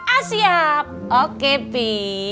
ah siap oke bi